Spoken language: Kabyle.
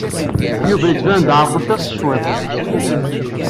Yuba yettban-d ɛerqent-as cwiṭ.